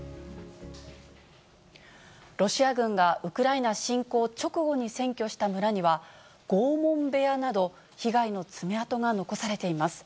ロシア軍がウクライナ侵攻直後に占拠した村には、拷問部屋など、被害の爪痕が残されています。